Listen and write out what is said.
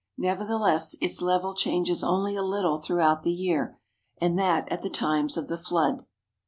Never theless, its level changes only a little throughout the year, and that at the times of the flood.